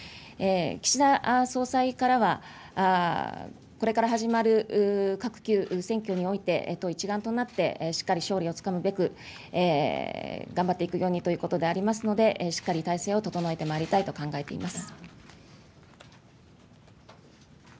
岸田総裁からは、これから始まるかくきゅう選挙において、党一丸となってしっかり勝利をつかむべく、頑張っていくようにということでありますので、しっかり態勢を整えてまいりたいと考えております。